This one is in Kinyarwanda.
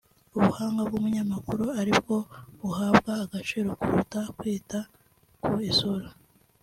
ubuhanga bw’umunyamakuru ari bwo buhabwa agaciro kuruta kwita ku isura